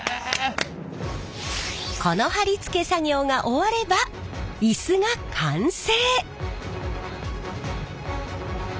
この張り付け作業が終わればイスが完成。